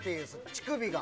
乳首が。